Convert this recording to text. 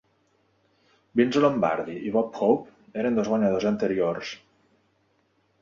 Vince Lombardi i Bob Hope eren dos guanyadors anteriors.